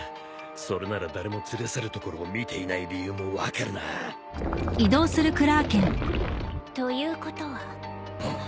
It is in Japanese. それなら誰も連れ去るところを見ていない理由も分かるな。ということは。